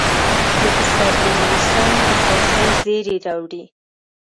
د پسرلي موسم د خوښۍ زېرى راوړي.